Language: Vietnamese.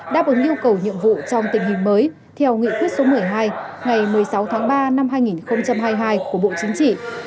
đáp ứng yêu cầu nhiệm vụ trong tình hình mới theo nghị quyết số một mươi hai ngày một mươi sáu tháng ba năm hai nghìn hai mươi hai của bộ chính trị